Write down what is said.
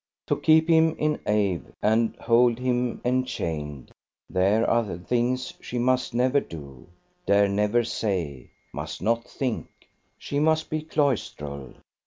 To keep him in awe and hold him enchained, there are things she must never do, dare never say, must not think. She must be cloistral.